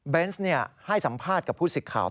ให้สัมภาษณ์กับผู้สิทธิ์ข่าว